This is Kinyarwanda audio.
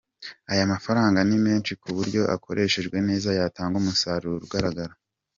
Aya mafaranga ni menshi ku buryo akoreshejwe neza yatanga umusaruro ugaragara.